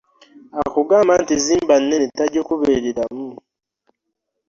Akagmba nti zimba nenne tagikubereramu .